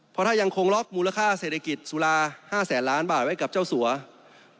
เพราะถ้ายังคงล็อกมูลค่าเศรษฐกิจสุรา๕แสนล้านบาทไว้กับเจ้าสัว